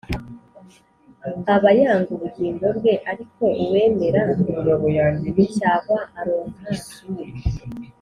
Aba yanga ubugingo bwe ariko uwemera gucyahwa aronka